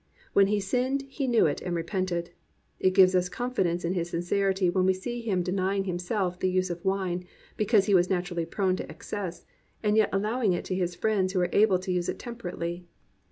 When he sinned he knew it and repented. It gives us confidence in his sincerity when we see him deny ing himself the use of wine because he was naturally prone to excess, and yet allowing it to his friends who were able to use it temperately.